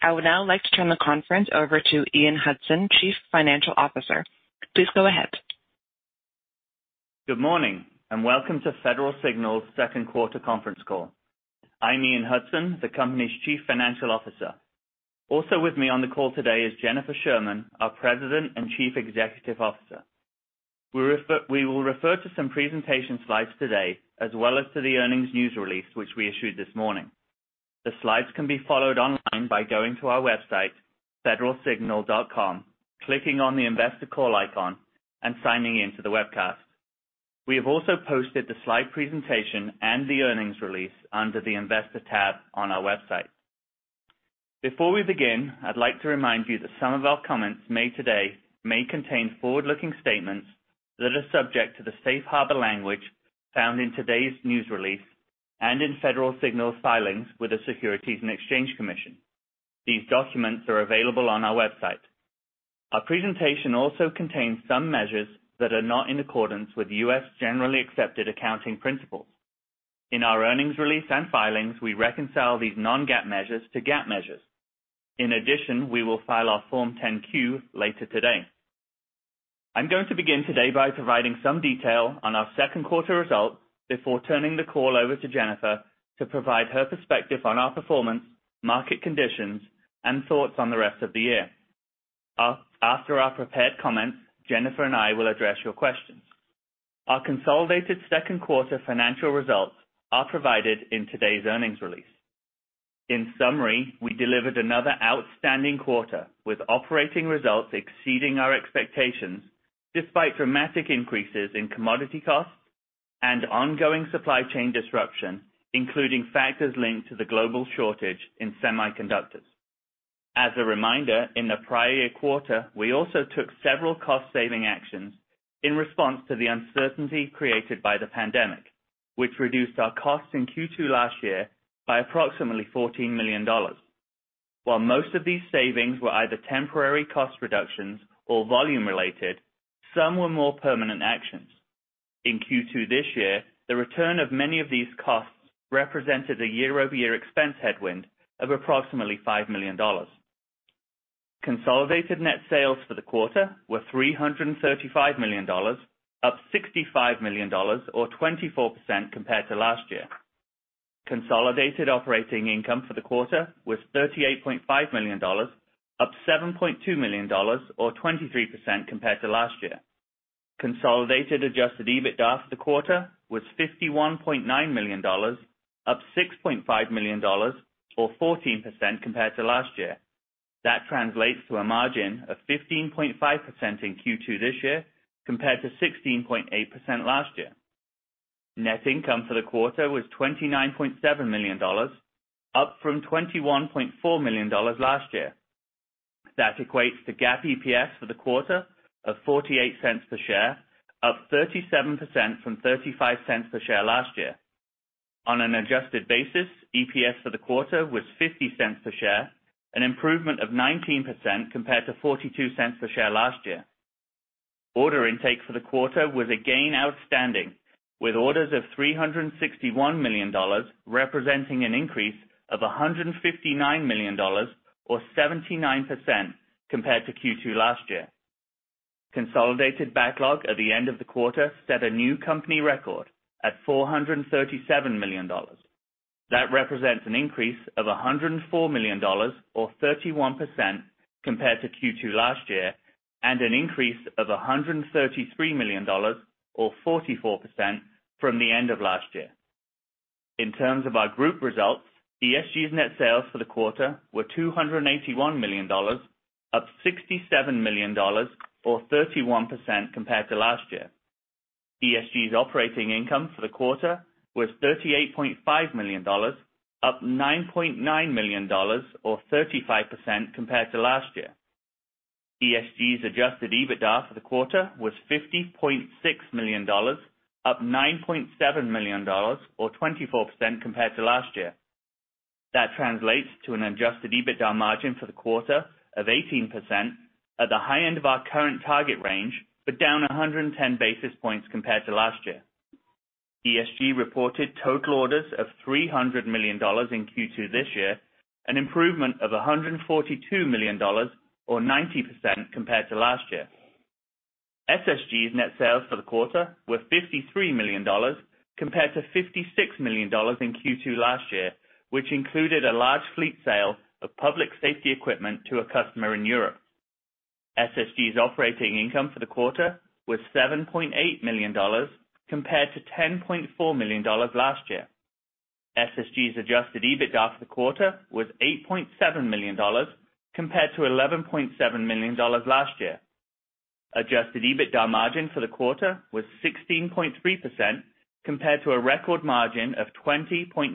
I would now like to turn the conference over to Ian Hudson, Chief Financial Officer. Please go ahead. Good morning, welcome to Federal Signal's Q2 conference call. I'm Ian Hudson, the company's Chief Financial Officer. Also with me on the call today is Jennifer Sherman, our President and Chief Executive Officer. We will refer to some presentation slides today, as well as to the earnings news release, which we issued this morning. The slides can be followed online by going to our website, federalsignal.com, clicking on the investor call icon, and signing in to the webcast. We have also posted the slide presentation and the earnings release under the investor tab on our website. Before we begin, I'd like to remind you that some of our comments made today may contain forward-looking statements that are subject to the safe harbor language found in today's news release and in Federal Signal's filings with the Securities and Exchange Commission. These documents are available on our website. Our presentation also contains some measures that are not in accordance with U.S. Generally Accepted Accounting Principles. In our earnings release and filings, we reconcile these non-GAAP measures to GAAP measures. In addition, we will file our Form 10-Q later today. I'm going to begin today by providing some detail on our second quarter results before turning the call over to Jennifer to provide her perspective on our performance, market conditions, and thoughts on the rest of the year. After our prepared comments, Jennifer and I will address your questions. Our consolidated second quarter financial results are provided in today's earnings release. In summary, we delivered another outstanding quarter, with operating results exceeding our expectations despite dramatic increases in commodity costs and ongoing supply chain disruption, including factors linked to the global shortage in semiconductors. As a reminder, in the prior year quarter, we also took several cost-saving actions in response to the uncertainty created by the pandemic, which reduced our costs in Q2 last year by approximately $14 million. While most of these savings were either temporary cost reductions or volume-related, some were more permanent actions. In Q2 this year, the return of many of these costs represented a year-over-year expense headwind of approximately $5 million. Consolidated net sales for the quarter were $335 million, up $65 million or 24% compared to last year. Consolidated operating income for the quarter was $38.5 million, up $7.2 million or 23% compared to last year. Consolidated adjusted EBITDA for the quarter was $51.9 million, up $6.5 million or 14% compared to last year. That translates to a margin of 15.5% in Q2 this year, compared to 16.8% last year. Net income for the quarter was $29.7 million, up from $21.4 million last year. That equates to GAAP EPS for the quarter of $0.48 per share, up 37% from $0.35 per share last year. On an adjusted basis, EPS for the quarter was $0.50 per share, an improvement of 19% compared to $0.42 per share last year. Order intake for the quarter was again outstanding, with orders of $361 million, representing an increase of $159 million or 79% compared to Q2 last year. Consolidated backlog at the end of the quarter set a new company record at $437 million. That represents an increase of $104 million or 31% compared to Q2 last year, and an increase of $133 million or 44% from the end of last year. In terms of our group results, ESG's net sales for the quarter were $281 million, up $67 million or 31% compared to last year. ESG's operating income for the quarter was $38.5 million, up $9.9 million or 35% compared to last year. ESG's adjusted EBITDA for the quarter was $50.6 million, up $9.7 million or 24% compared to last year. That translates to an adjusted EBITDA margin for the quarter of 18% at the high end of our current target range, but down 110 basis points compared to last year. ESG reported total orders of $300 million in Q2 this year, an improvement of $142 million or 90% compared to last year. SSG's net sales for the quarter were $53 million compared to $56 million in Q2 last year, which included a large fleet sale of public safety equipment to a customer in Europe. SSG's operating income for the quarter was $7.8 million compared to $10.4 million last year. SSG's adjusted EBITDA for the quarter was $8.7 million compared to $11.7 million last year. Adjusted EBITDA margin for the quarter was 16.3%, compared to a record margin of 20.9%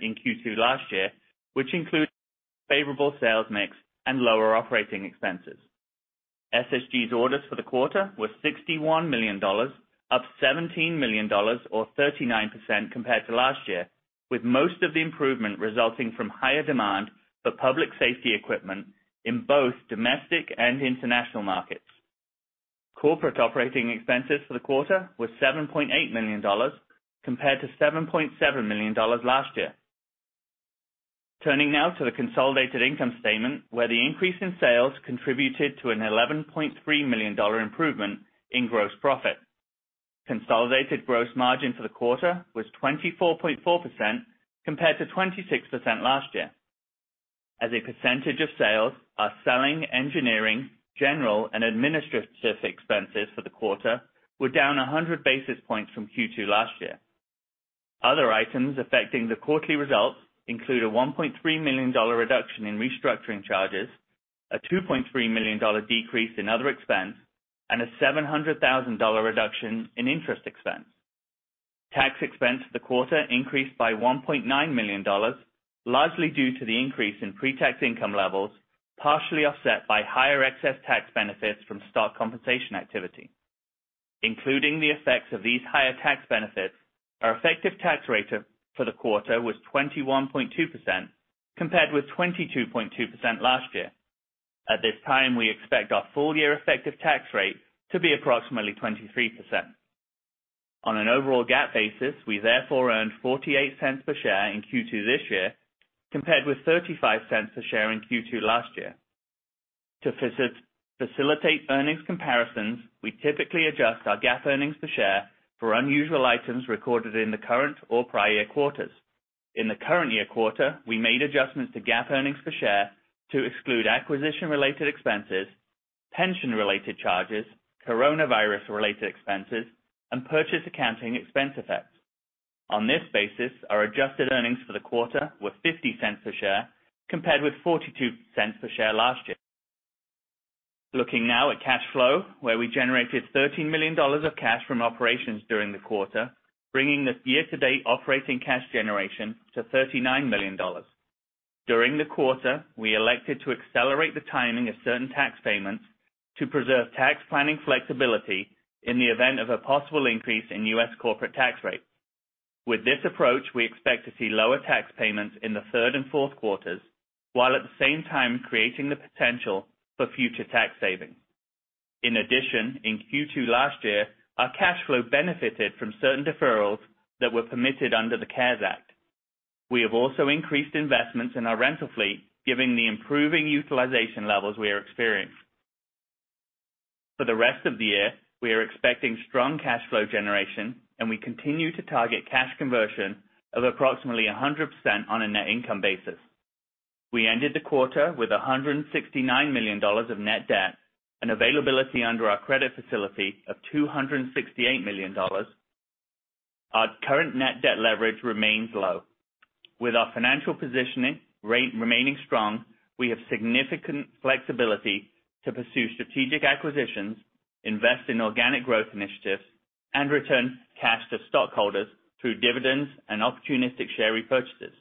in Q2 last year, which included favorable sales mix and lower operating expenses. SSG's orders for the quarter were $61 million, up $17 million or 39% compared to last year, with most of the improvement resulting from higher demand for public safety equipment in both domestic and international markets. Corporate operating expenses for the quarter were $7.8 million compared to $7.7 million last year. Turning now to the consolidated income statement, where the increase in sales contributed to an $11.3 million improvement in gross profit. Consolidated gross margin for the quarter was 24.4% compared to 26% last year. As a percentage of sales, our selling, engineering, general, and administrative expenses for the quarter were down 100 basis points from Q2 last year. Other items affecting the quarterly results include a $1.3 million reduction in restructuring charges, a $2.3 million decrease in other expense, and a $700,000 reduction in interest expense. Tax expense for the quarter increased by $1.9 million, largely due to the increase in pre-tax income levels, partially offset by higher excess tax benefits from stock compensation activity. Including the effects of these higher tax benefits, our effective tax rate for the quarter was 21.2%, compared with 22.2% last year. At this time, we expect our full-year effective tax rate to be approximately 23%. On an overall GAAP basis, we earned $0.48 per share in Q2 this year, compared with $0.35 per share in Q2 last year. To facilitate earnings comparisons, we typically adjust our GAAP earnings per share for unusual items recorded in the current or prior year quarters. In the current year quarter, we made adjustments to GAAP earnings per share to exclude acquisition-related expenses, pension-related charges, coronavirus-related expenses, and purchase accounting expense effects. On this basis, our adjusted EPS for the quarter were $0.50 per share, compared with $0.42 per share last year. Looking now at cash flow, where we generated $13 million of cash from operations during the quarter, bringing this year-to-date operating cash generation to $39 million. During the quarter, we elected to accelerate the timing of certain tax payments to preserve tax planning flexibility in the event of a possible increase in U.S. corporate tax rate. With this approach, we expect to see lower tax payments in the third and fourth quarters, while at the same time creating the potential for future tax savings. In addition, in Q2 last year, our cash flow benefited from certain deferrals that were permitted under the CARES Act. We have also increased investments in our rental fleet, given the improving utilization levels we are experiencing. For the rest of the year, we are expecting strong cash flow generation, and we continue to target cash conversion of approximately 100% on a net income basis. We ended the quarter with $169 million of net debt and availability under our credit facility of $268 million. Our current net debt leverage remains low. With our financial positioning remaining strong, we have significant flexibility to pursue strategic acquisitions, invest in organic growth initiatives, and return cash to stockholders through dividends and opportunistic share repurchases.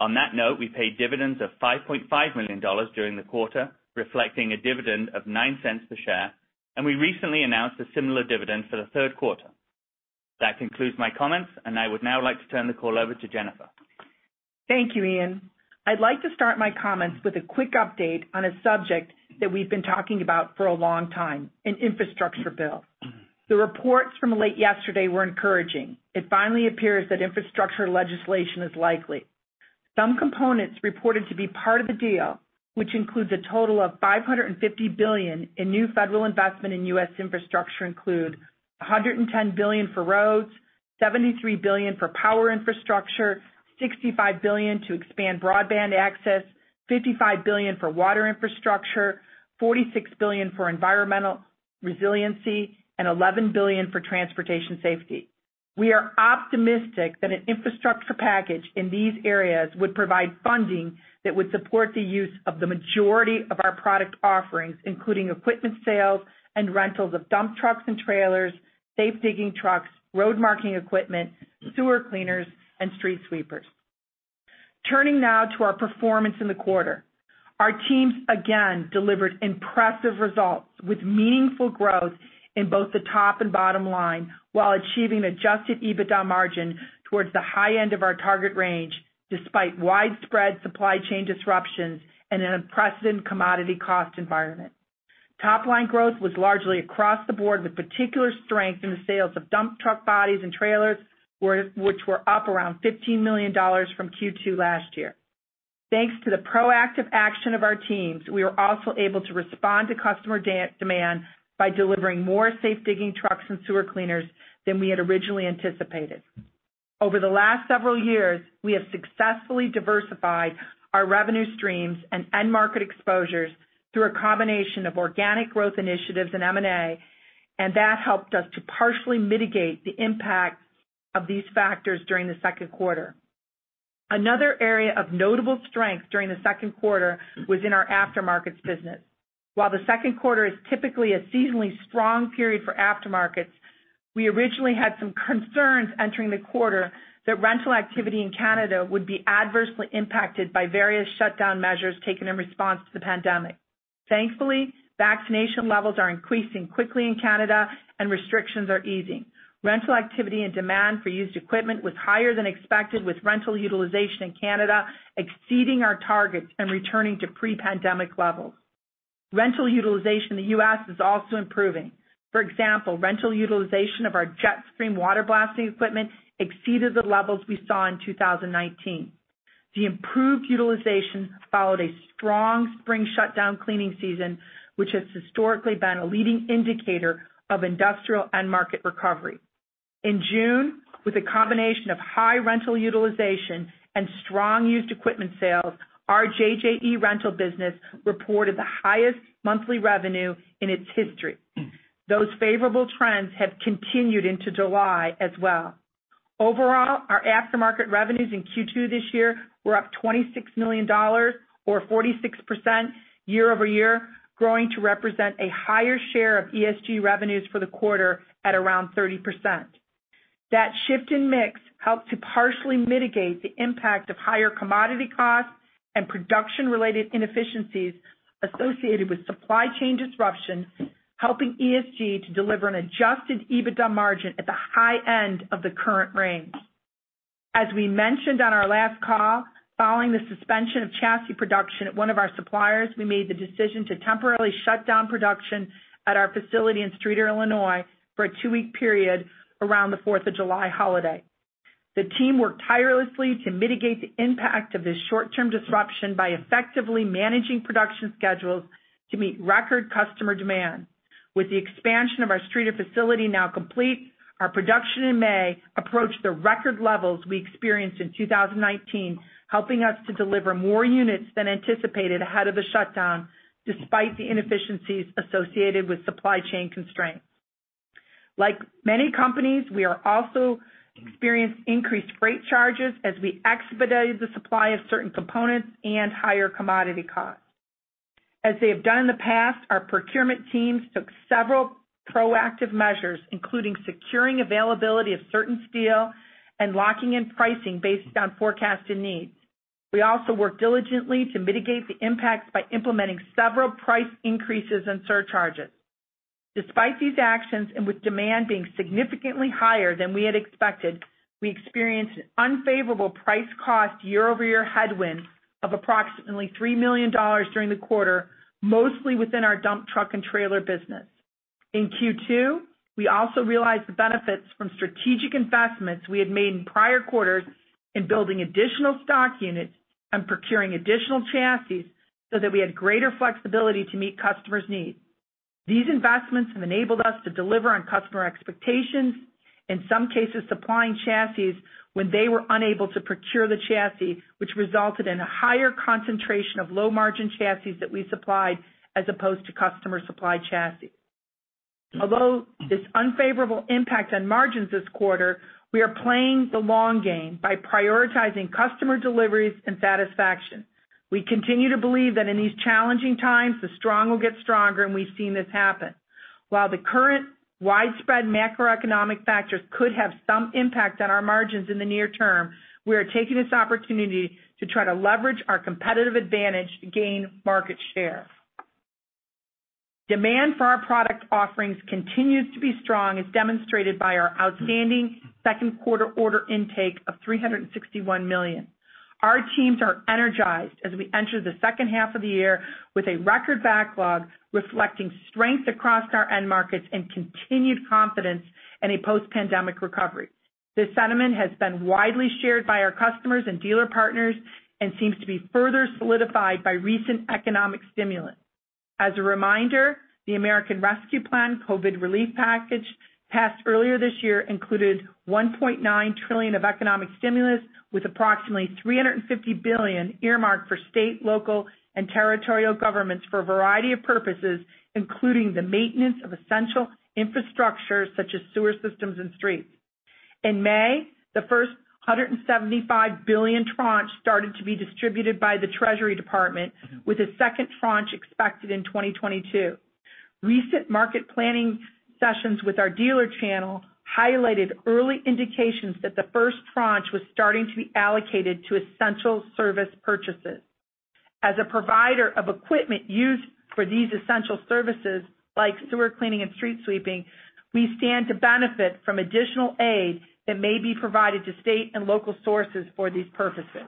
On that note, we paid dividends of $5.5 million during the quarter, reflecting a dividend of $0.09 per share, and we recently announced a similar dividend for the third quarter. That concludes my comments, and I would now like to turn the call over to Jennifer. Thank you, Ian. I'd like to start my comments with a quick update on a subject that we've been talking about for a long time, an infrastructure bill. The reports from late yesterday were encouraging. It finally appears that infrastructure legislation is likely. Some components reported to be part of the deal, which includes a total of $550 billion in new federal investment in U.S. infrastructure include $110 billion for roads, $73 billion for power infrastructure, $65 billion to expand broadband access, $55 billion for water infrastructure, $46 billion for environmental resiliency, and $11 billion for transportation safety. We are optimistic that an infrastructure package in these areas would provide funding that would support the use of the majority of our product offerings, including equipment sales and rentals of dump trucks and trailers, safe digging trucks, road marking equipment, sewer cleaners, and street sweepers. Turning now to our performance in the quarter. Our teams again delivered impressive results with meaningful growth in both the top and bottom line while achieving adjusted EBITDA margin towards the high end of our target range, despite widespread supply chain disruptions and an unprecedented commodity cost environment. Topline growth was largely across the board with particular strength in the sales of dump truck bodies and trailers, which were up around $15 million from Q2 last year. Thanks to the proactive action of our teams, we were also able to respond to customer demand by delivering more safe digging trucks and sewer cleaners than we had originally anticipated. Over the last several years, we have successfully diversified our revenue streams and end market exposures through a combination of organic growth initiatives and M&A. That helped us to partially mitigate the impact of these factors during the second quarter. Another area of notable strength during the second quarter was in our aftermarkets business. While the second quarter is typically a seasonally strong period for aftermarkets, we originally had some concerns entering the quarter that rental activity in Canada would be adversely impacted by various shutdown measures taken in response to the pandemic. Thankfully, vaccination levels are increasing quickly in Canada and restrictions are easing. Rental activity and demand for used equipment was higher than expected, with rental utilization in Canada exceeding our targets and returning to pre-pandemic levels. Rental utilization in the U.S. is also improving. For example, rental utilization of our Jetstream water blasting equipment exceeded the levels we saw in 2019. The improved utilization followed a strong spring shutdown cleaning season, which has historically been a leading indicator of industrial end market recovery. In June, with a combination of high rental utilization and strong used equipment sales, our JJE rental business reported the highest monthly revenue in its history. Those favorable trends have continued into July as well. Overall, our aftermarket revenues in Q2 this year were up $26 million, or 46% year-over-year, growing to represent a higher share of ESG revenues for the quarter at around 30%. That shift in mix helped to partially mitigate the impact of higher commodity costs and production-related inefficiencies associated with supply chain disruptions, helping ESG to deliver an adjusted EBITDA margin at the high end of the current range. As we mentioned on our last call, following the suspension of chassis production at one of our suppliers, we made the decision to temporarily shut down production at our facility in Streator, Illinois, for a two-week period around the 4th of July holiday. The team worked tirelessly to mitigate the impact of this short-term disruption by effectively managing production schedules to meet record customer demand. With the expansion of our Streator facility now complete, our production in May approached the record levels we experienced in 2019, helping us to deliver more units than anticipated ahead of the shutdown, despite the inefficiencies associated with supply chain constraints. Like many companies, we are also experiencing increased freight charges as we expedited the supply of certain components and higher commodity costs. As they have done in the past, our procurement teams took several proactive measures, including securing availability of certain steel and locking in pricing based on forecasted needs. We also worked diligently to mitigate the impacts by implementing several price increases and surcharges. Despite these actions, and with demand being significantly higher than we had expected, we experienced an unfavorable price cost year-over-year headwind of approximately $3 million during the quarter, mostly within our dump truck and trailer business. In Q2, we also realized the benefits from strategic investments we had made in prior quarters in building additional stock units and procuring additional chassis so that we had greater flexibility to meet customers' needs. These investments have enabled us to deliver on customer expectations, in some cases supplying chassis when they were unable to procure the chassis, which resulted in a higher concentration of low-margin chassis that we supplied as opposed to customer-supplied chassis. Although this unfavorable impact on margins this quarter, we are playing the long game by prioritizing customer deliveries and satisfaction. We continue to believe that in these challenging times, the strong will get stronger, and we've seen this happen. While the current widespread macroeconomic factors could have some impact on our margins in the near term, we are taking this opportunity to try to leverage our competitive advantage to gain market share. Demand for our product offerings continues to be strong, as demonstrated by our outstanding second quarter order intake of $361 million. Our teams are energized as we enter the second half of the year with a record backlog reflecting strength across our end markets and continued confidence in a post-pandemic recovery. This sentiment has been widely shared by our customers and dealer partners and seems to be further solidified by recent economic stimulus. As a reminder, the American Rescue Plan COVID relief package passed earlier this year included $1.9 trillion of economic stimulus, with approximately $350 billion earmarked for state, local, and territorial governments for a variety of purposes, including the maintenance of essential infrastructure such as sewer systems and streets. In May, the first $175 billion tranche started to be distributed by the Treasury Department, with a second tranche expected in 2022. Recent market planning sessions with our dealer channel highlighted early indications that the first tranche was starting to be allocated to essential service purchases. As a provider of equipment used for these essential services, like sewer cleaning and street sweeping, we stand to benefit from additional aid that may be provided to state and local sources for these purposes.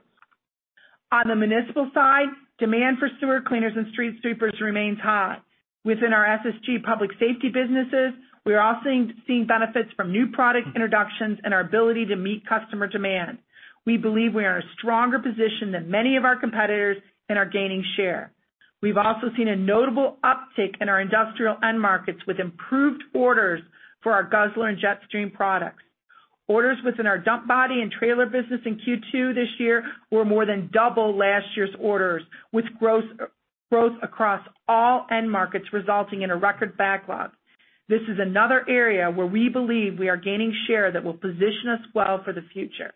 On the municipal side, demand for sewer cleaners and street sweepers remains high. Within our SSG public safety businesses, we are also seeing benefits from new product introductions and our ability to meet customer demand. We believe we are in a stronger position than many of our competitors and are gaining share. We've also seen a notable uptick in our industrial end markets, with improved orders for our Guzzler and Jetstream products. Orders within our dump body and trailer business in Q2 this year were more than double last year's orders, with growth across all end markets resulting in a record backlog. This is another area where we believe we are gaining share that will position us well for the future.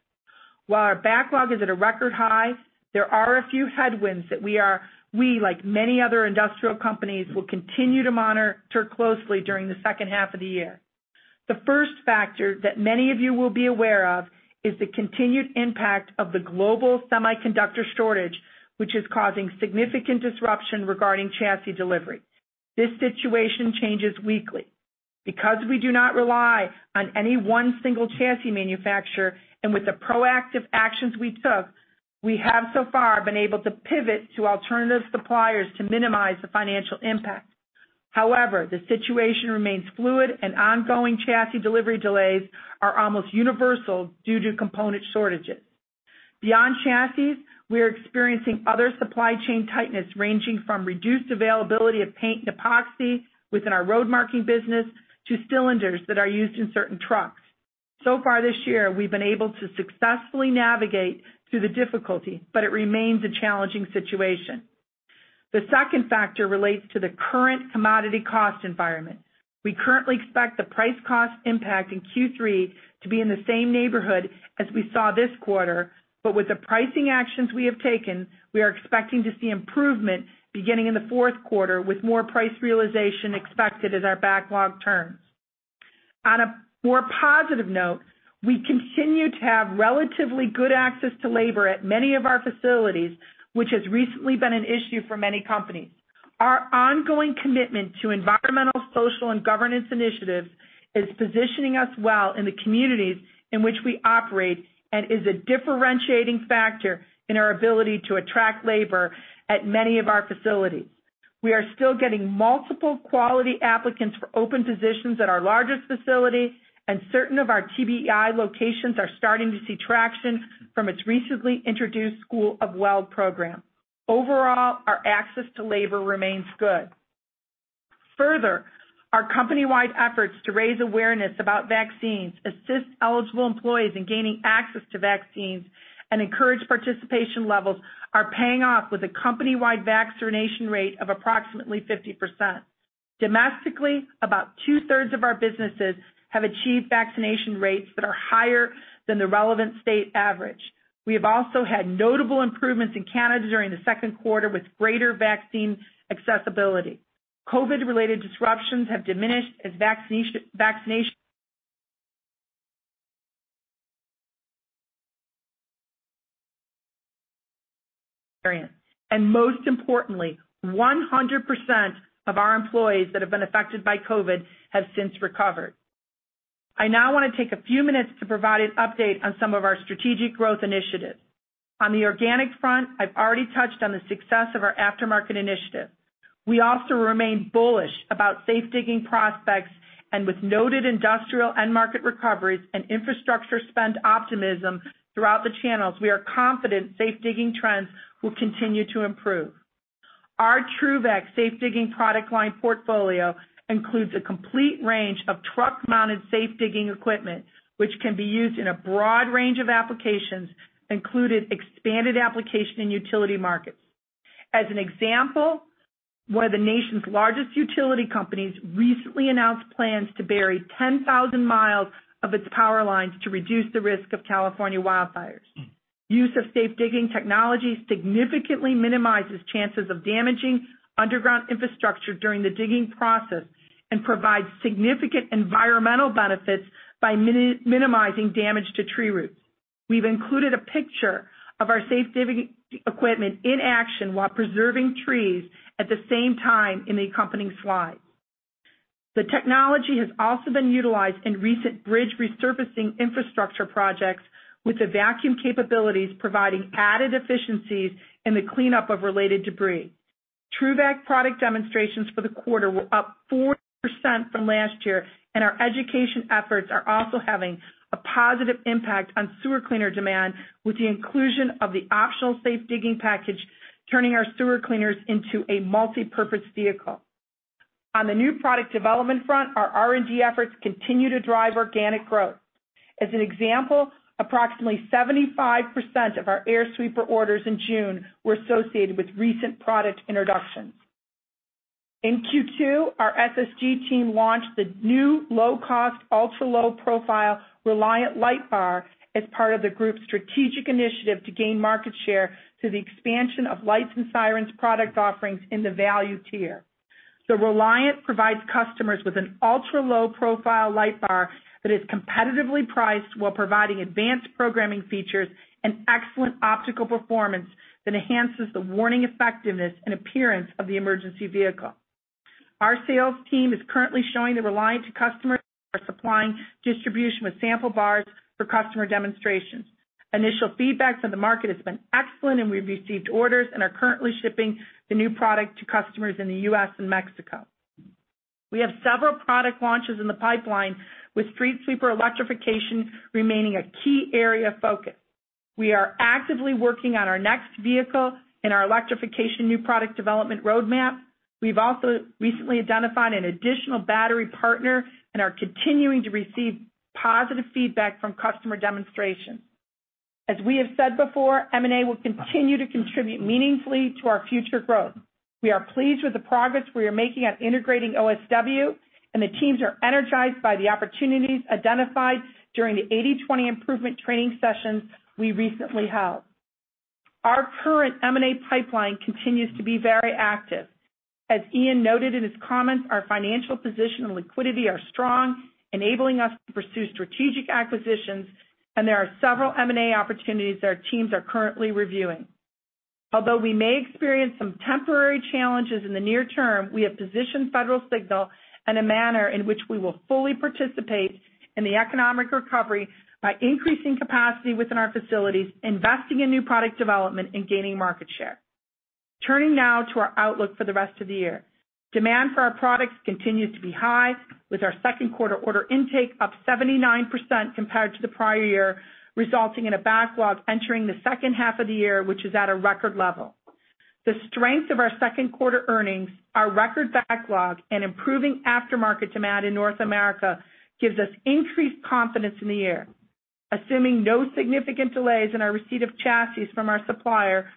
While our backlog is at a record high, there are a few headwinds that we, like many other industrial companies, will continue to monitor closely during the second half of the year. The first factor that many of you will be aware of is the continued impact of the global semiconductor shortage, which is causing significant disruption regarding chassis delivery. This situation changes weekly. Because we do not rely on any one single chassis manufacturer, and with the proactive actions we took, we have so far been able to pivot to alternative suppliers to minimize the financial impact. However, the situation remains fluid, and ongoing chassis delivery delays are almost universal due to component shortages. Beyond chassis, we are experiencing other supply chain tightness ranging from reduced availability of paint and epoxy within our road marking business, to cylinders that are used in certain trucks. So far this year, we've been able to successfully navigate through the difficulty, but it remains a challenging situation. The second factor relates to the current commodity cost environment. We currently expect the price cost impact in Q3 to be in the same neighborhood as we saw this quarter, but with the pricing actions we have taken, we are expecting to see improvement beginning in the fourth quarter with more price realization expected as our backlog turns. On a more positive note, we continue to have relatively good access to labor at many of our facilities, which has recently been an issue for many companies. Our ongoing commitment to environmental, social, and governance initiatives is positioning us well in the communities in which we operate and is a differentiating factor in our ability to attract labor at many of our facilities. We are still getting multiple quality applicants for open positions at our largest facility, and certain of our TBEI locations are starting to see traction from its recently introduced School of Weld program. Overall, our access to labor remains good. Further, our company-wide efforts to raise awareness about vaccines, assist eligible employees in gaining access to vaccines, and encourage participation levels are paying off with a company-wide vaccination rate of approximately 50%. Domestically, about 2/3 of our businesses have achieved vaccination rates that are higher than the relevant state average. We have also had notable improvements in Canada during the second quarter with greater vaccine accessibility. COVID-related disruptions have diminished as vaccination and most importantly, 100% of our employees that have been affected by COVID have since recovered. I now want to take a few minutes to provide an update on some of our strategic growth initiatives. On the organic front, I've already touched on the success of our aftermarket initiative. We also remain bullish about safe digging prospects, and with noted industrial end market recoveries and infrastructure spend optimism throughout the channels, we are confident safe digging trends will continue to improve. Our TRUVAC safe digging product line portfolio includes a complete range of truck-mounted safe digging equipment, which can be used in a broad range of applications, including expanded application in utility markets. As an example, one of the nation's largest utility companies recently announced plans to bury 10,000 mi of its power lines to reduce the risk of California wildfires. Use of safe digging technology significantly minimizes chances of damaging underground infrastructure during the digging process and provides significant environmental benefits by minimizing damage to tree roots. We've included a picture of our safe digging equipment in action while preserving trees at the same time in the accompanying slide. The technology has also been utilized in recent bridge resurfacing infrastructure projects with the vacuum capabilities providing added efficiencies in the cleanup of related debris. TRUVAC product demonstrations for the quarter were up 40% from last year, and our education efforts are also having a positive impact on sewer cleaner demand, with the inclusion of the optional safe digging package turning our sewer cleaners into a multipurpose vehicle. On the new product development front, our R&D efforts continue to drive organic growth. As an example, approximately 75% of our air sweeper orders in June were associated with recent product introductions. In Q2, our SSG team launched the new low-cost, ultra-low profile Reliant light bar as part of the group's strategic initiative to gain market share through the expansion of lights and sirens product offerings in the value tier. The Reliant provides customers with an ultra-low profile light bar that is competitively priced while providing advanced programming features and excellent optical performance that enhances the warning effectiveness and appearance of the emergency vehicle. Our sales team is currently showing the Reliant to customers who are supplying distribution with sample bars for customer demonstrations. Initial feedback from the market has been excellent, and we've received orders and are currently shipping the new product to customers in the U.S. and Mexico. We have several product launches in the pipeline, with street sweeper electrification remaining a key area of focus. We are actively working on our next vehicle in our electrification New Product Development roadmap. We've also recently identified an additional battery partner and are continuing to receive positive feedback from customer demonstrations. As we have said before, M&A will continue to contribute meaningfully to our future growth. We are pleased with the progress we are making at integrating OSW, and the teams are energized by the opportunities identified during the 80/20 improvement training sessions we recently held. Our current M&A pipeline continues to be very active. As Ian noted in his comments, our financial position and liquidity are strong, enabling us to pursue strategic acquisitions, and there are several M&A opportunities that our teams are currently reviewing. Although we may experience some temporary challenges in the near term, we have positioned Federal Signal in a manner in which we will fully participate in the economic recovery by increasing capacity within our facilities, investing in New Product Development, and gaining market share. Turning now to our outlook for the rest of the year. Demand for our products continues to be high, with our second quarter order intake up 79% compared to the prior year, resulting in a backlog entering the second half of the year, which is at a record level. The strength of our second quarter earnings, our record backlog, and improving aftermarket demand in North America gives us increased confidence in the air. Assuming no significant delays in our receipt of chassis from our supplier,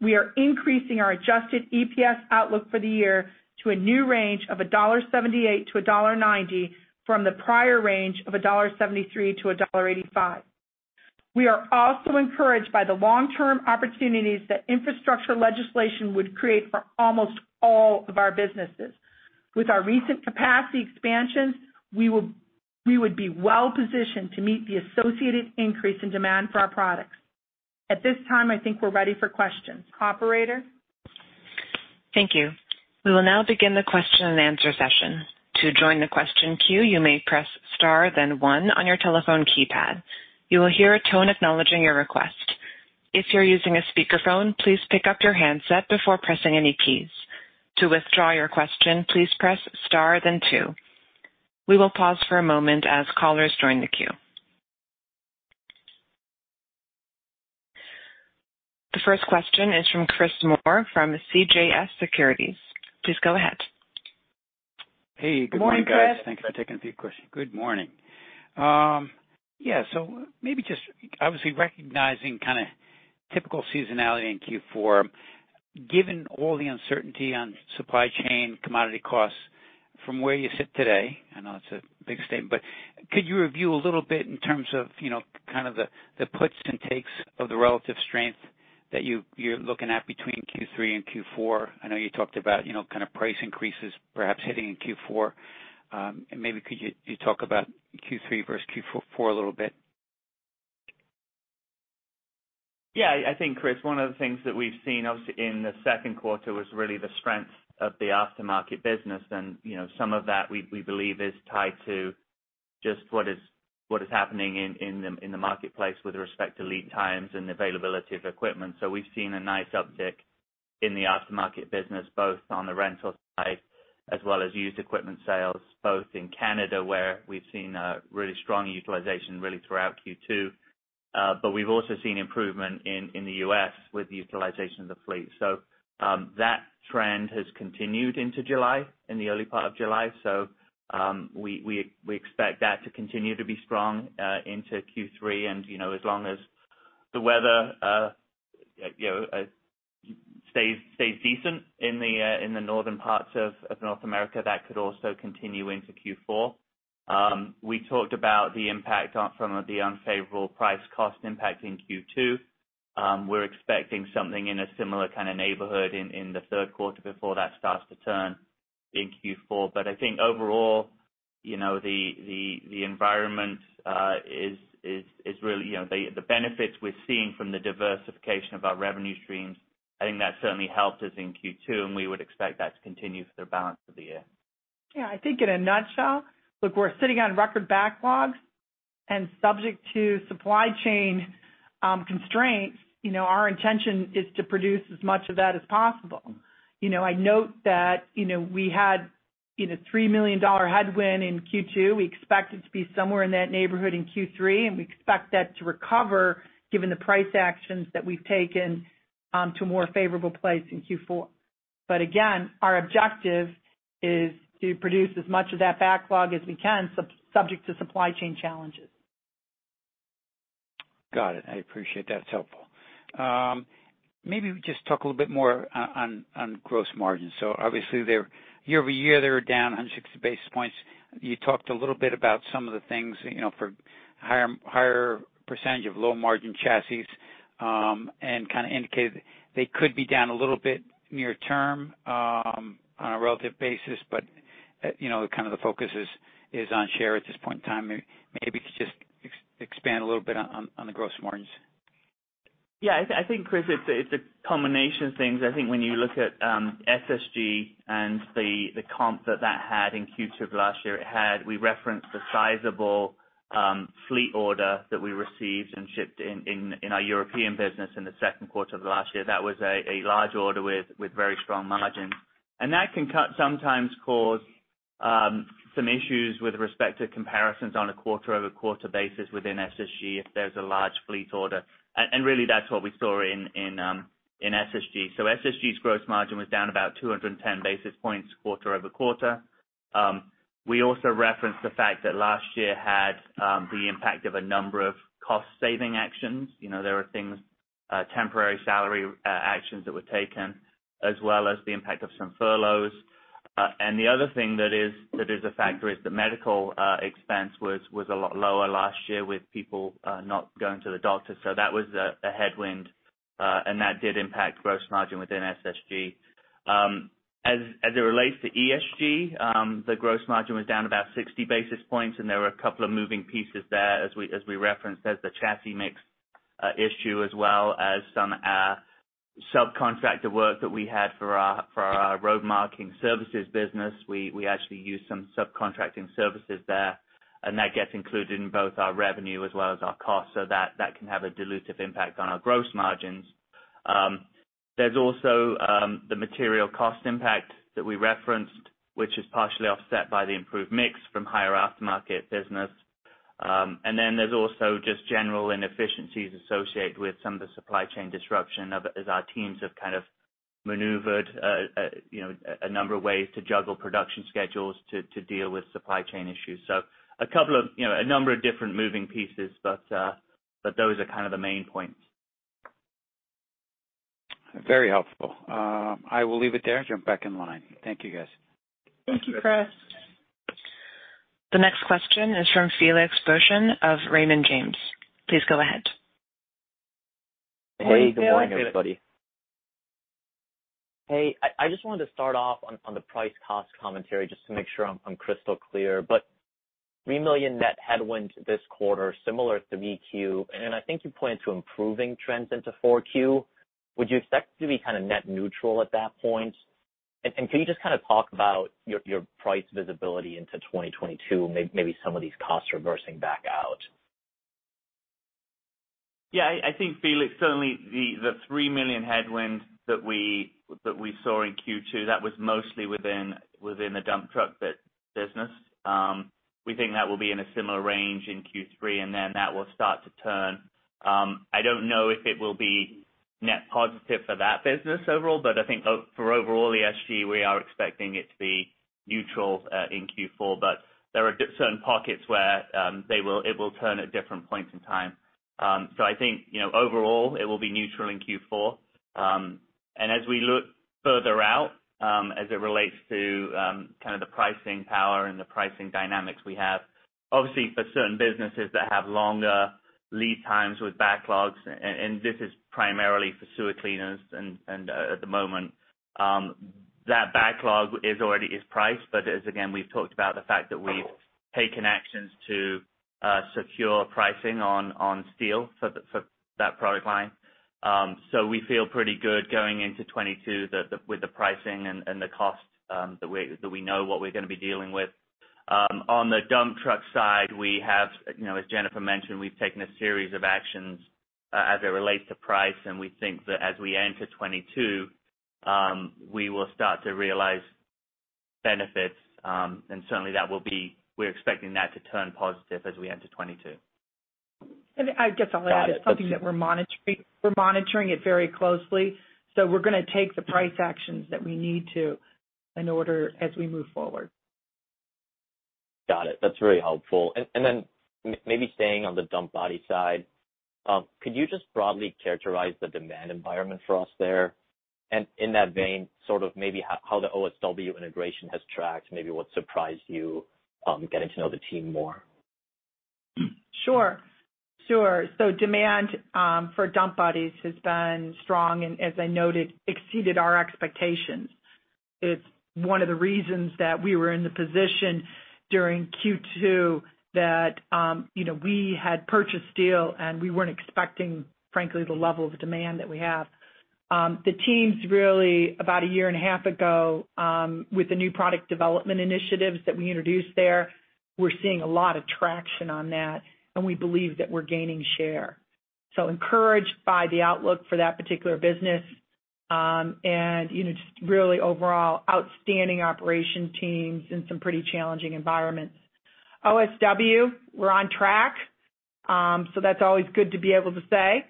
we are increasing our adjusted EPS outlook for the year to a new range of $1.78-$1.90, from the prior range of $1.73-$1.85. We are also encouraged by the long-term opportunities that infrastructure legislation would create for almost all of our businesses. With our recent capacity expansions, we would be well-positioned to meet the associated increase in demand for our products. At this time, I think we're ready for questions. Operator? Thank you. We will now begin the question and answer session. To join the question queue you may press star then one on your telephone keypad. You will hear a tone acknowledging your request. If you are using a speaker phone please take off your headset before pressing any keys. To withdraw your question please press star then two. We will pause for a moment as callers join the queue. The first question is from Chris Moore from CJS Securities. Please go ahead. Hey, good morning, guys. Morning, Chris. Thanks for taking a few questions. Good morning. Maybe just, obviously recognizing kind of typical seasonality in Q4, given all the uncertainty on supply chain commodity costs from where you sit today, I know it's a big statement, but could you review a little bit in terms of kind of the puts and takes of the relative strength that you're looking at between Q3 and Q4? I know you talked about kind of price increases perhaps hitting in Q4. Maybe could you talk about Q3 versus Q4 a little bit? Yeah. I think, Chris, one of the things that we've seen obviously in the second quarter was really the strength of the aftermarket business. Some of that, we believe, is tied to just what is happening in the marketplace with respect to lead times and availability of equipment. We've seen a nice uptick in the aftermarket business, both on the rental side as well as used equipment sales, both in Canada, where we've seen a really strong utilization really throughout Q2. We've also seen improvement in the U.S. with the utilization of the fleet. That trend has continued into July, in the early part of July. We expect that to continue to be strong into Q3. As long as the weather stays decent in the northern parts of North America, that could also continue into Q4. We talked about the impact from the unfavorable price cost impact in Q2. We're expecting something in a similar kind of neighborhood in the third quarter before that starts to turn in Q4. I think overall, the benefits we're seeing from the diversification of our revenue streams, I think that certainly helped us in Q2, and we would expect that to continue for the balance of the year. I think in a nutshell, look, we're sitting on record backlogs, subject to supply chain constraints, our intention is to produce as much of that as possible. I note that we had $3 million headwind in Q2. We expect it to be somewhere in that neighborhood in Q3, and we expect that to recover given the price actions that we've taken to a more favorable place in Q4. Again, our objective is to produce as much of that backlog as we can, subject to supply chain challenges. Got it. I appreciate that. It's helpful. Maybe just talk a little bit more on gross margin. Obviously, year-over-year, they were down 160 basis points. You talked a little bit about some of the things for higher percent of low-margin chassis and kind of indicated they could be down a little bit near term on a relative basis, but kind of the focus is on share at this point in time. Maybe you could just expand a little bit on the gross margins? Yeah. I think, Chris, it's a combination of things. I think when you look at SSG and the comp that that had in Q2 of last year, we referenced the sizable fleet order that we received and shipped in our European business in the second quarter of last year. That was a large order with very strong margins. That can sometimes cause some issues with respect to comparisons on a quarter-over-quarter basis within SSG if there's a large fleet order, really that's what we saw in SSG. SSG's gross margin was down about 210 basis points quarter-over-quarter. We also referenced the fact that last year had the impact of a number of cost-saving actions. There were things, temporary salary actions that were taken, as well as the impact of some furloughs. The other thing that is a factor is the medical expense was a lot lower last year with people not going to the doctor. That was a headwind, and that did impact gross margin within SSG. As it relates to ESG, the gross margin was down about 60 basis points, and there were a couple of moving pieces there as we referenced as the chassis mix issue, as well as some subcontractor work that we had for our road marking services business. We actually used some subcontracting services there, and that gets included in both our revenue as well as our cost, so that can have a dilutive impact on our gross margins. There's also the material cost impact that we referenced, which is partially offset by the improved mix from higher aftermarket business. There's also just general inefficiencies associated with some of the supply chain disruption as our teams have kind of maneuvered a number of ways to juggle production schedules to deal with supply chain issues. A number of different moving pieces, but those are kind of the main points. Very helpful. I will leave it there and jump back in line. Thank you, guys. Thank you, Chris. The next question is from Felix Boeschen of Raymond James. Please go ahead. Hey, good morning, everybody. Hey, I just wanted to start off on the price cost commentary, just to make sure I'm crystal clear. Three million net headwind this quarter, similar to [Q3], and then I think you point to improving trends into Q4. Would you expect to be kind of net neutral at that point? Can you just kind of talk about your price visibility into 2022 and maybe some of these costs reversing back out? Yeah, I think, Felix, certainly the $3 million headwind that we saw in Q2, that was mostly within the dump truck business. We think that will be in a similar range in Q3, then that will start to turn. I don't know if it will be net positive for that business overall, I think for overall ESG, we are expecting it to be neutral in Q4. There are certain pockets where it will turn at different points in time. I think overall it will be neutral in Q4. As we look further out, as it relates to kind of the pricing power and the pricing dynamics we have, obviously for certain businesses that have longer lead times with backlogs, and this is primarily for sewer cleaners at the moment. That backlog already is priced, but as, again, we've talked about the fact that we've taken actions to secure pricing on steel for that product line. We feel pretty good going into 2022 with the pricing and the cost that we know what we're going to be dealing with. On the dump truck side, as Jennifer mentioned, we've taken a series of actions as it relates to price, and we think that as we enter 2022, we will start to realize benefits. Certainly, we're expecting that to turn positive as we enter 2022. I guess I'll add just something that we're monitoring it very closely. We're going to take the price actions that we need to in order as we move forward. Got it. That's really helpful. Then maybe staying on the dump body side, could you just broadly characterize the demand environment for us there? In that vein, sort of maybe how the OSW integration has tracked, maybe what surprised you getting to know the team more? Demand for dump bodies has been strong and as I noted, exceeded our expectations. It's one of the reasons that we were in the position during Q2 that we had purchased steel and we weren't expecting, frankly, the level of demand that we have. The teams really about a year and a half ago, with the new product development initiatives that we introduced there, we're seeing a lot of traction on that, and we believe that we're gaining share. Encouraged by the outlook for that particular business, and just really overall outstanding operation teams in some pretty challenging environments. OSW, we're on track. That's always good to be able to say.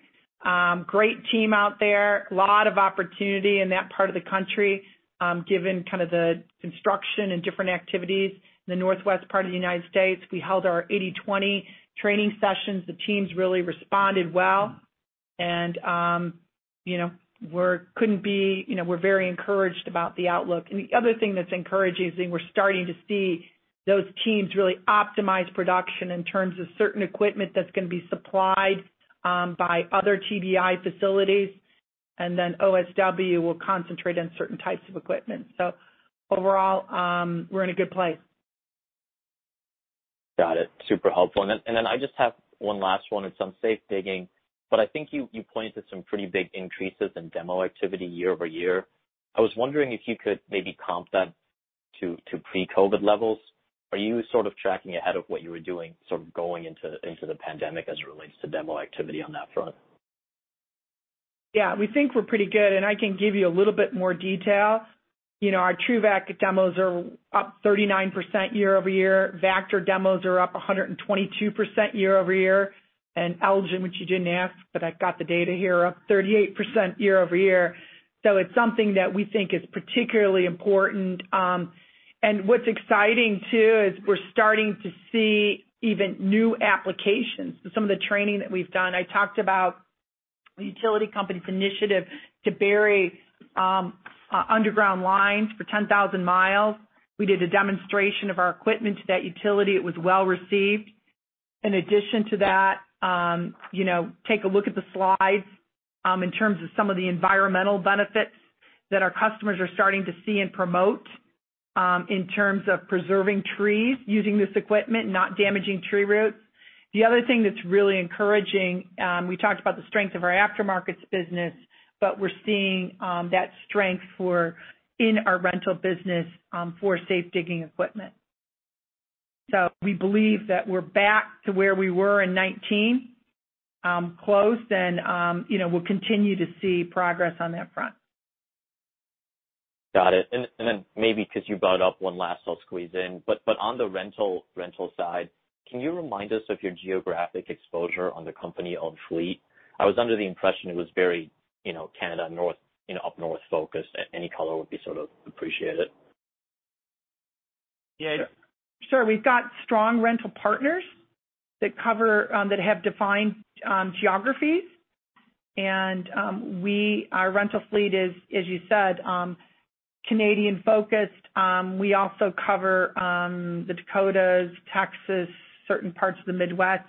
Great team out there, a lot of opportunity in that part of the country given kind of the construction and different activities in the northwest part of the U.S. We held our 80/20 training sessions. The teams really responded well, and we're very encouraged about the outlook. The other thing that's encouraging is we're starting to see those teams really optimize production in terms of certain equipment that's going to be supplied by other TBEI facilities. Then OSW will concentrate on certain types of equipment. Overall, we're in a good place. Got it. Super helpful. I just have one last one. It's on safe digging, but I think you pointed to some pretty big increases in demo activity year-over-year. I was wondering if you could maybe comp that to pre-COVID levels. Are you sort of tracking ahead of what you were doing, sort of going into the pandemic as it relates to demo activity on that front? Yeah, we think we're pretty good. I can give you a little bit more detail. Our TRUVAC demos are up 39% year-over-year. Vactor demos are up 122% year-over-year. Elgin, which you didn't ask, but I've got the data here, up 38% year-over-year. It's something that we think is particularly important. What's exciting too is we're starting to see even new applications to some of the training that we've done. I talked about the utility company's initiative to bury underground lines for 10,000 mi. We did a demonstration of our equipment to that utility. It was well-received. In addition to that, take a look at the slides in terms of some of the environmental benefits that our customers are starting to see and promote in terms of preserving trees using this equipment, not damaging tree roots. The other thing that's really encouraging, we talked about the strength of our aftermarkets business. We're seeing that strength in our rental business for safe digging equipment. We believe that we're back to where we were in 2019, close, and we'll continue to see progress on that front. Got it. Then maybe because you brought up one last, I'll squeeze in, but on the rental side, can you remind us of your geographic exposure on the company-owned fleet? I was under the impression it was very Canada, up north focused. Any color would be sort of appreciated? Yeah. Sure. We've got strong rental partners that have defined geographies. Our rental fleet is, as you said, Canadian focused. We also cover the Dakotas, Texas, certain parts of the Midwest.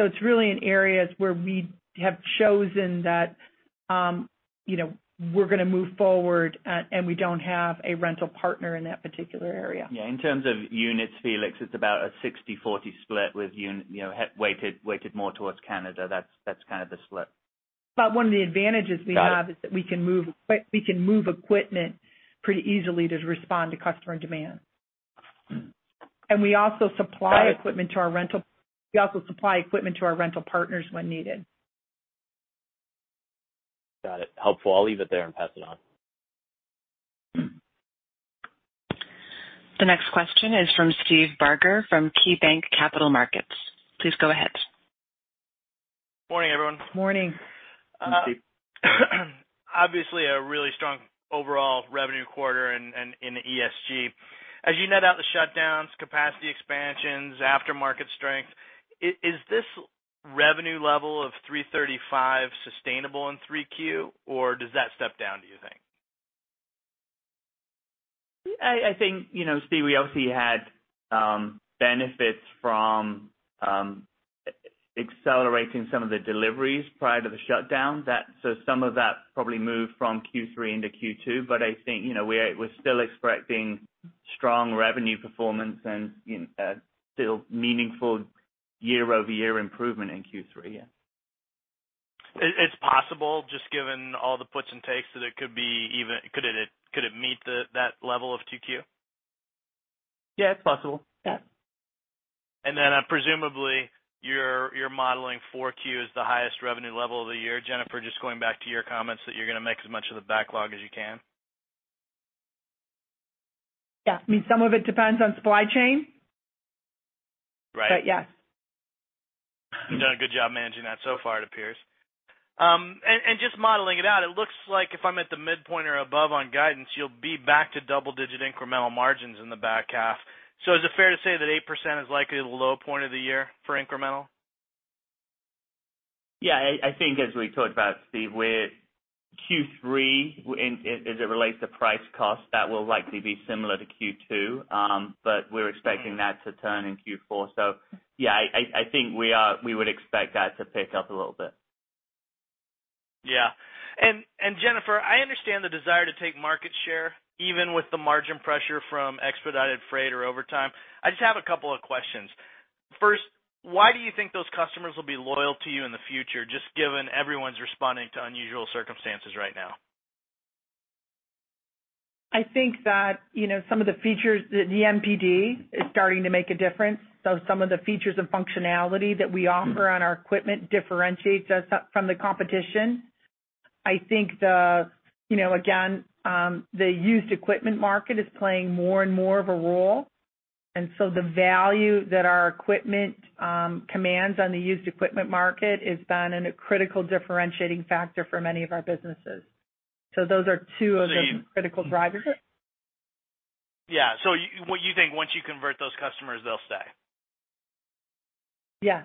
It's really in areas where we have chosen that we're going to move forward, and we don't have a rental partner in that particular area. Yeah, in terms of units, Felix, it's about a 60-40 split weighted more towards Canada. That's kind of the split. One of the advantages we have. Got it. is that we can move equipment pretty easily to respond to customer demand. We also supply equipment to our rental partners when needed. Got it. Helpful. I'll leave it there and pass it on. The next question is from Steve Barger from KeyBanc Capital Markets. Please go ahead. Morning, everyone. Morning. Hi, Steve. Obviously a really strong overall revenue quarter in the ESG. As you net out the shutdowns, capacity expansions, aftermarket strength, is this revenue level of $335 sustainable in Q3, or does that step down, do you think? I think Steve, we obviously had benefits from accelerating some of the deliveries prior to the shutdown. Some of that probably moved from Q3 into Q2, but I think we're still expecting strong revenue performance and still meaningful year-over-year improvement in Q3. Yeah. It's possible, just given all the puts and takes that it could meet that level of Q2? Yeah, it's possible. Yeah. Presumably, you're modeling Q4 as the highest revenue level of the year. Jennifer, just going back to your comments that you're going to make as much of the backlog as you can? Yeah. I mean, some of it depends on supply chain. Right. Yes. You've done a good job managing that so far, it appears. Just modeling it out, it looks like if I'm at the midpoint or above on guidance, you'll be back to double-digit incremental margins in the back half. Is it fair to say that 8% is likely the low point of the year for incremental? Yeah, I think as we talked about, Steve, with Q3, as it relates to price cost, that will likely be similar to Q2. We're expecting that to turn in Q4. Yeah, I think we would expect that to pick up a little bit. Yeah. Jennifer, I understand the desire to take market share, even with the margin pressure from expedited freight or overtime. I just have a couple of questions. First, why do you think those customers will be loyal to you in the future, just given everyone's responding to unusual circumstances right now? I think that some of the features, the NPD is starting to make a difference. Some of the features of functionality that we offer on our equipment differentiates us from the competition. I think, again, the used equipment market is playing more and more of a role. The value that our equipment commands on the used equipment market has been a critical differentiating factor for many of our businesses. Those are two of the critical drivers. Yeah. You think once you convert those customers, they'll stay? Yeah.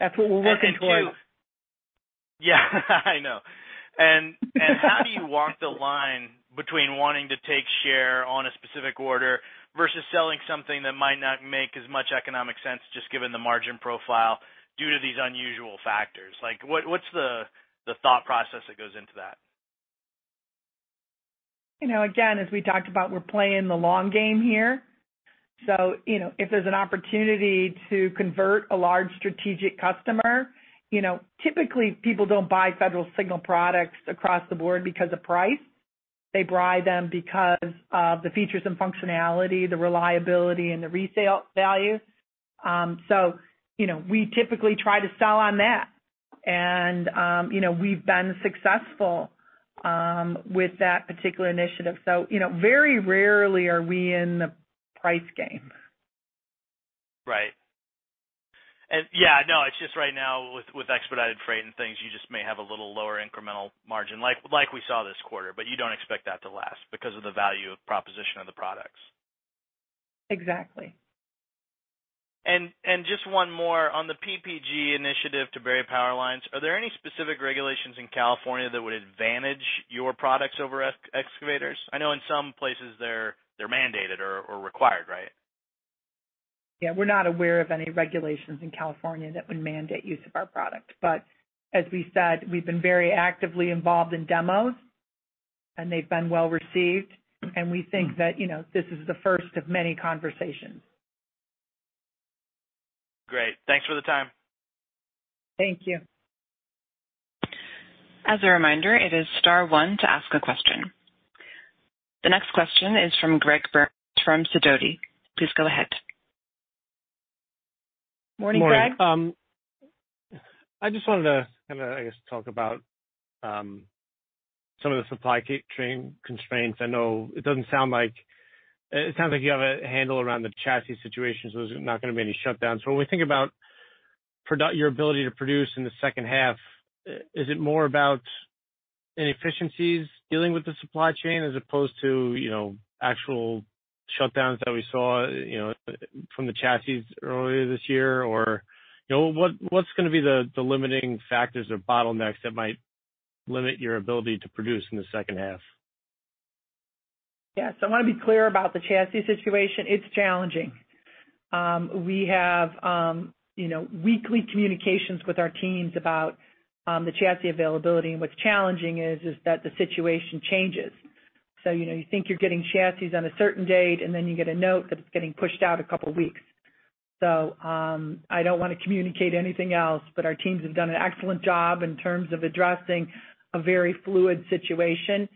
That's what we're working towards. Yeah, I know. How do you walk the line between wanting to take share on a specific order versus selling something that might not make as much economic sense, just given the margin profile due to these unusual factors? What's the thought process that goes into that? As we talked about, we're playing the long game here. If there's an opportunity to convert a large strategic customer, typically people don't buy Federal Signal products across the board because of price. They buy them because of the features and functionality, the reliability, and the resale value. We typically try to sell on that. We've been successful with that particular initiative. Very rarely are we in the price game. Yeah, no, it's just right now with expedited freight and things, you just may have a little lower incremental margin, like we saw this quarter. You don't expect that to last because of the value of proposition of the products? Exactly. Just one more. On the PG&E initiative to bury power lines, are there any specific regulations in California that would advantage your products over excavators? I know in some places they're mandated or required, right? Yeah. We're not aware of any regulations in California that would mandate use of our product. As we said, we've been very actively involved in demos, and they've been well-received. We think that this is the first of many conversations. Great. Thanks for the time. Thank you. As a reminder, it is star one to ask a question. The next question is from Greg Burns from Sidoti. Please go ahead. Morning, Greg. Morning. I just wanted to kind of, I guess, talk about some of the supply chain constraints. It sounds like you have a handle around the chassis situation, so there's not going to be any shutdowns. When we think about your ability to produce in the second half, is it more about inefficiencies dealing with the supply chain as opposed to actual shutdowns that we saw from the chassis earlier this year? What's going to be the limiting factors or bottlenecks that might limit your ability to produce in the second half? I want to be clear about the chassis situation. It's challenging. We have weekly communications with our teams about the chassis availability, and what's challenging is that the situation changes. You think you're getting chassis on a certain date, and then you get a note that it's getting pushed out a couple of weeks. I don't want to communicate anything else, but our teams have done an excellent job in terms of addressing a very fluid situation.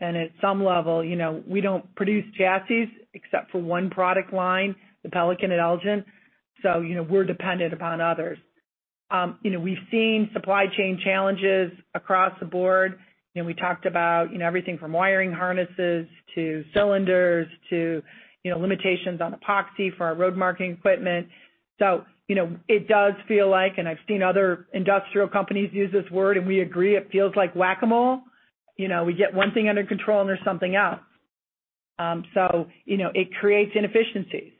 At some level, we don't produce chassis except for one product line, the Pelican at Elgin. We're dependent upon others. We've seen supply chain challenges across the board. We talked about everything from wiring harnesses to cylinders to limitations on epoxy for our road marking equipment. It does feel like, and I've seen other industrial companies use this word, and we agree, it feels like Whac-A-Mole. We get one thing under control, and there's something else. It creates inefficiencies.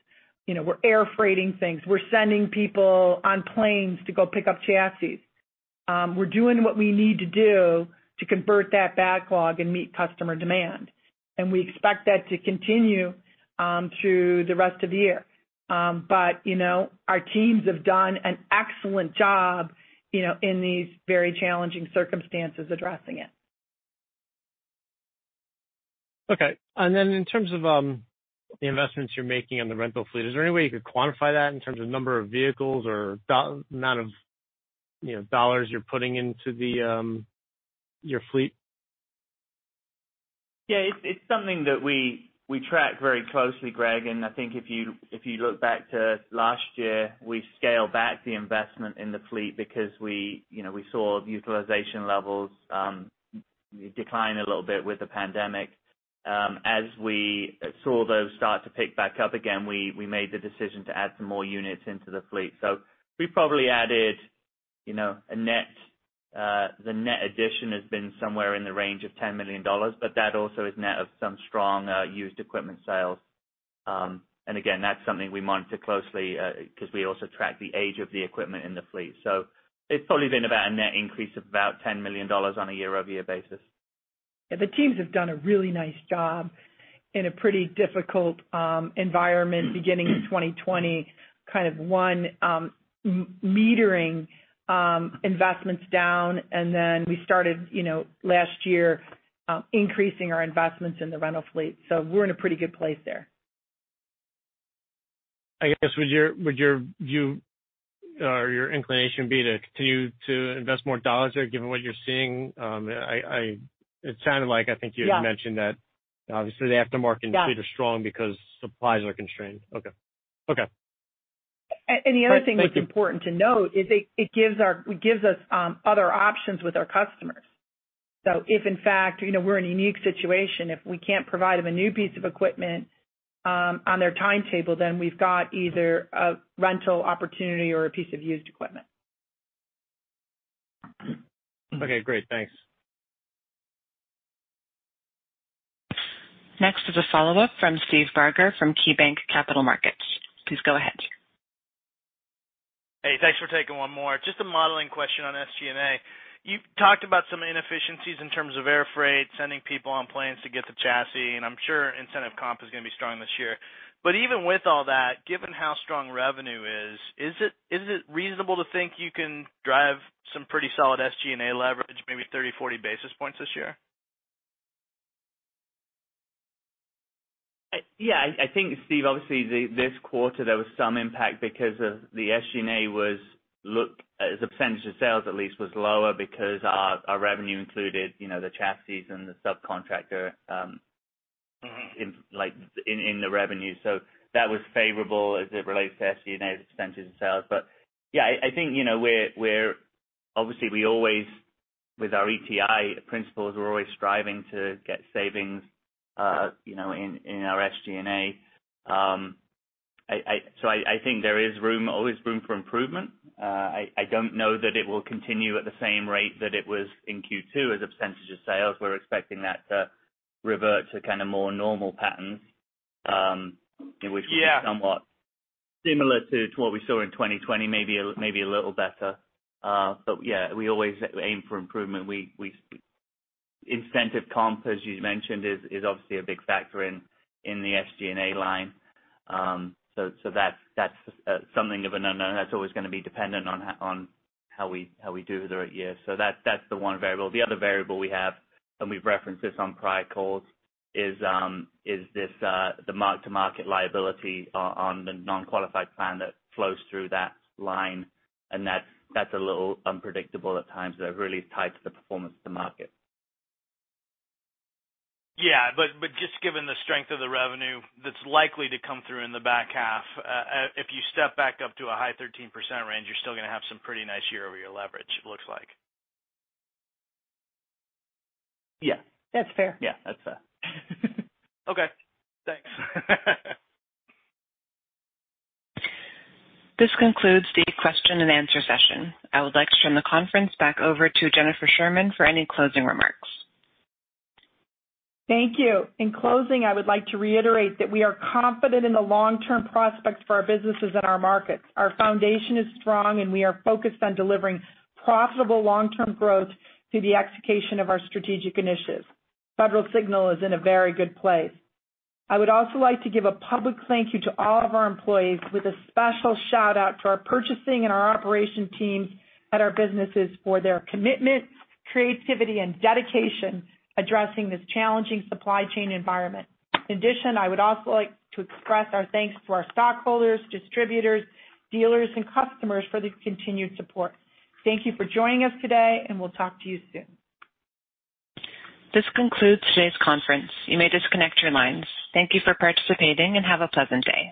We're air freighting things. We're sending people on planes to go pick up chassis. We're doing what we need to do to convert that backlog and meet customer demand, and we expect that to continue through the rest of the year. Our teams have done an excellent job in these very challenging circumstances addressing it. Okay. Then in terms of the investments you're making on the rental fleet, is there any way you could quantify that in terms of number of vehicles or amount of dollars you're putting into your fleet? It's something that we track very closely, Greg, and I think if you look back to last year, we scaled back the investment in the fleet because we saw utilization levels decline a little bit with the pandemic. As we saw those start to pick back up again, we made the decision to add some more units into the fleet. We probably added a net, the net addition has been somewhere in the range of $10 million, but that also is net of some strong used equipment sales. Again, that's something we monitor closely, because we also track the age of the equipment in the fleet. It's probably been about a net increase of about $10 million on a year-over-year basis. The teams have done a really nice job in a pretty difficult environment beginning in 2020. Kind of, one, metering investments down, and then we started last year increasing our investments in the rental fleet. We're in a pretty good place there. I guess, would your view or your inclination be to continue to invest more dollars there given what you're seeing? It sounded like, I think you had mentioned that obviously the aftermarket and fleet are strong because supplies are constrained. Okay. The other thing that's important to note is it gives us other options with our customers. If in fact, we're in a unique situation, if we can't provide them a new piece of equipment on their timetable, then we've got either a rental opportunity or a piece of used equipment. Okay, great. Thanks. Next is a follow-up from Steve Barger from KeyBanc Capital Markets. Please go ahead. Hey, thanks for taking one more. Just a modeling question on SG&A. You talked about some inefficiencies in terms of air freight, sending people on planes to get the chassis, and I'm sure incentive comp is going to be strong this year. Even with all that, given how strong revenue is it reasonable to think you can drive some pretty solid SG&A leverage, maybe 30, 40 basis points this year? I think, Steve, obviously this quarter, there was some impact because of the SG&A as a percentage of sales at least, was lower because our revenue included the chassis and the subcontractor in the revenue. That was favorable as it relates to SG&A as a percentage of sales. I think obviously we always with our ETI principles, we're always striving to get savings in our SG&A. I think there is always room for improvement. I don't know that it will continue at the same rate that it was in Q2 as a percentage of sales. We're expecting that to revert to kind of more normal patterns. Yeah Which will be somewhat similar to what we saw in 2020, maybe a little better. Yeah, we always aim for improvement. Incentive comp, as you mentioned, is obviously a big factor in the SG&A line. That's something of an unknown. That's always going to be dependent on how we do through the year. That's the one variable. The other variable we have, and we've referenced this on prior calls, is the mark-to-market liability on the non-qualified plan that flows through that line, and that's a little unpredictable at times. They're really tied to the performance of the market. Yeah. Just given the strength of the revenue that's likely to come through in the back half, if you step back up to a high 13% range, you're still going to have some pretty nice year-over-year leverage, it looks like? Yeah. That's fair. Yeah. That's fair. Okay. Thanks. This concludes the question and answer session. I would like to turn the conference back over to Jennifer Sherman for any closing remarks. Thank you. In closing, I would like to reiterate that we are confident in the long-term prospects for our businesses and our markets. Our foundation is strong, and we are focused on delivering profitable long-term growth through the execution of our strategic initiatives. Federal Signal is in a very good place. I would also like to give a public thank you to all of our employees, with a special shout-out to our purchasing and our operation teams at our businesses for their commitment, creativity, and dedication addressing this challenging supply chain environment. In addition, I would also like to express our thanks to our stockholders, distributors, dealers, and customers for the continued support. Thank you for joining us today, and we'll talk to you soon. This concludes today's conference. You may disconnect your lines. Thank you for participating, and have a pleasant day.